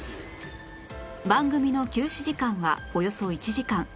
番組の休止時間はおよそ１時間